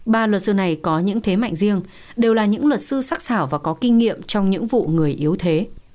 ba luật sư này có những thế mạnh riêng đều là những luật sư sắc xảo và có kinh nghiệm trong những vụ người yếu thế